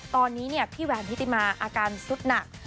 ตอนนี้พี่แหวนทิติมาอาการสุดหนัก